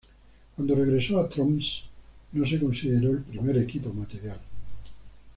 Cuando regresó a Tromsø, no se consideró el primer equipo material.